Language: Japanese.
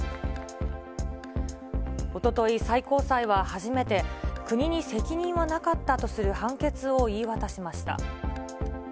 おととい、最高裁は初めて、国に責任はなかったとする判決を言い渡しました。